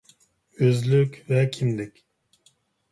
ئۆزلۈك ۋە كىملىك